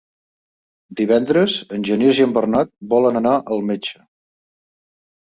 Divendres en Genís i en Bernat volen anar al metge.